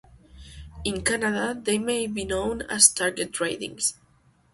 In Canada, they may be known as target ridings.